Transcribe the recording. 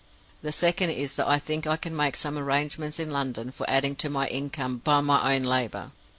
The second is that I think I can make some arrangements in London for adding to my income by my own labor.